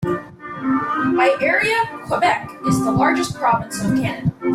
By area, Quebec is the largest province of Canada.